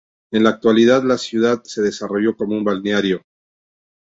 En la actualidad, la ciudad se desarrolló como un balneario.